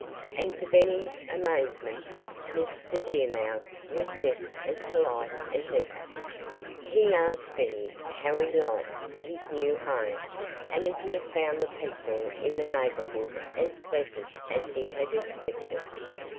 And to Benny's amazement, Mr. Deer Mouse was just as polite as ever. He asked Benny how he liked his new home, and if he had found the people in the neighborhood as pleasant as he had expected.